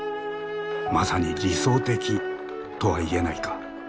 「まさに理想的」とは言えないか？